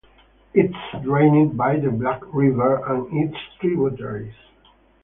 It is drained by the Black River and its tributaries.